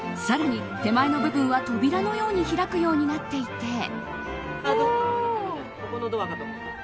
さらに手前の部分は扉のように開くようになっていて。